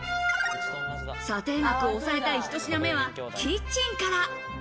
査定額を抑えたい１品目はキッチンから。